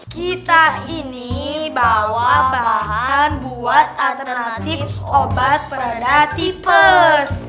kita ini bawa bahan buat alternatif obat peradatipes